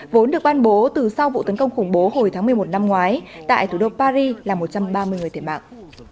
vốn được ban bố từ sau vụ tấn công khủng bố hồi tháng một mươi một năm ngoái tại thủ đô paris là một trăm ba mươi người thiệt mạng